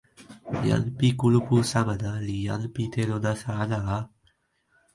jan pi kulupu Samana li jan pi telo nasa ala a.